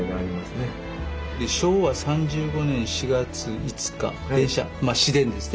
で昭和３５年４月５日電車まあ市電ですね